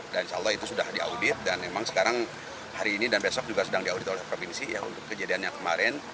dan insya allah itu sudah diaudit dan memang sekarang hari ini dan besok juga sedang diaudit oleh provinsi untuk kejadian yang kemarin